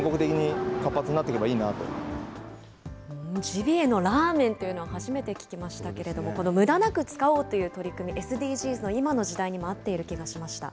ジビエのラーメンというのは、初めて聞きましたけれども、このむだなく使おうという取り組み、ＳＤＧｓの今の時代にも合っている気がしました。